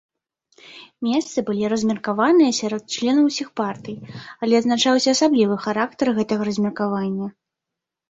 Месцы былі размеркаваныя серад членаў усіх партый, але адзначаўся асаблівы характар гэтага размеркавання.